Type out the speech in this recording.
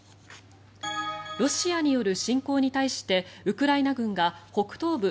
ロシアによる侵攻に対してウクライナ軍が北東部